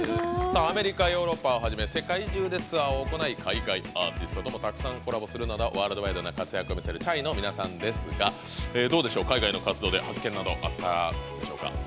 アメリカヨーロッパをはじめ世界中でツアーを行い海外アーティストともたくさんコラボするなどワールドワイドな活躍を見せるＣＨＡＩの皆さんですが海外の活動で発見などあったでしょうか。